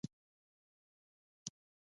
ذهن د ژغورنې لپاره ځان غولوي.